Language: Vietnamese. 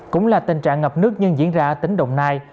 cũng là tình trạng ngập nước nhưng diễn ra ở tỉnh đồng nai